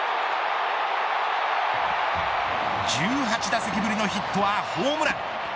１８打席ぶりのヒットはホームラン。